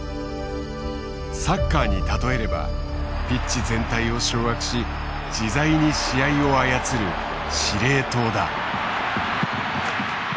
サッカーに例えればピッチ全体を掌握し自在に試合を操る司令塔だ。